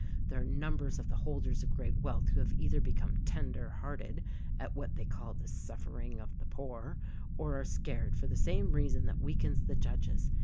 There are numbers of the holders of great wealth who have either become tender hearted — at what they call the suffer ing of the poor — or are scared for the same reason that weakens the judges.